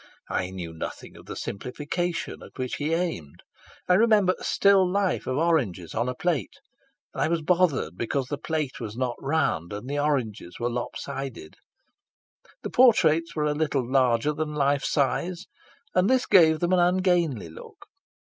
I knew nothing of the simplification at which he aimed. I remember a still life of oranges on a plate, and I was bothered because the plate was not round and the oranges were lop sided. The portraits were a little larger than life size, and this gave them an ungainly look.